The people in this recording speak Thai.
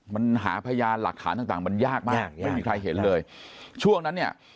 แล้วไปปล่อยทิ้งเอาไว้จนเด็กเนี่ย